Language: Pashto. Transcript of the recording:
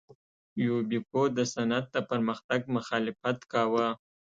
یوبیکو د صنعت د پرمختګ مخالفت کاوه.